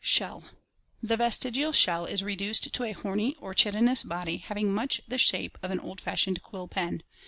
Shell. — The vestigial shell is reduced to a horny or chitinous CEPHALOPODS 485 body having much the shape of an old fashioned quill pen.